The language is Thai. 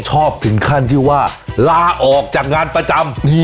ชอบถึงขั้นที่ว่าลาออกจากงานประจำ